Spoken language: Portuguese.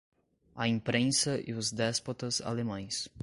A Imprensa e os Déspotas Alemães